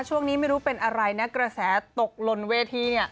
ช่วงนี้ไม่รู้เป็นอะไรนะกระแสตกลนเวทีเนี่ย